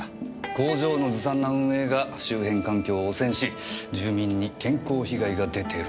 工場のずさんな運営が周辺環境を汚染し住民に健康被害が出てるってね。